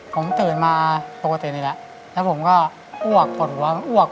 ผมตื่นมาปกตินี่แหละแล้วผมก็อ้วกปวดหัวอ้วก